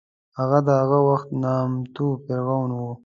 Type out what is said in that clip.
هغه د هغه وخت نامتو فرعون و.